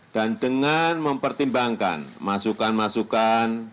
dan dengan mempertimbangkan masukan masukan